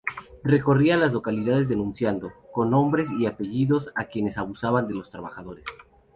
Recorría las localidades denunciando, con nombres y apellidos, a quienes abusaban de los trabajadores.